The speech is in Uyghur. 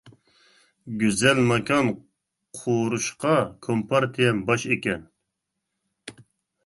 گۈزەل ماكان قۇرۇشقا، كومپارتىيەم باش ئىكەن.